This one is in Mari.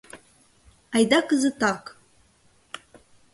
— Айда кызытак.